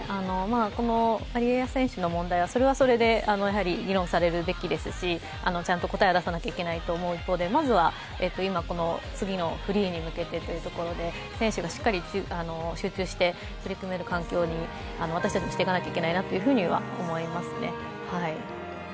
ワリエワ選手の問題はそれはそれで議論されるべきですし、ちゃんと答えを出さなきゃいけないと思う一方でまずは今、次のフリーに向けてというところで選手がしっかり集中して取り組める環境に、私たちもしていかなきゃいけないと思います。